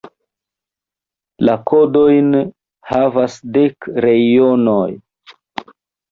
La kodojn havas dek reionoj.